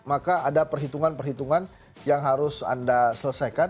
maka ada perhitungan perhitungan yang harus anda selesaikan